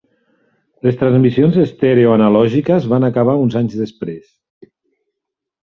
Les transmissions estèreo analògiques van acabar uns anys després.